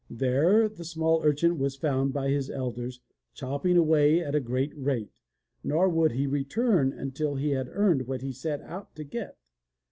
There the small urchin was found by his elders chopping away at a great rate, nor would he return until he had earned what he set out to get.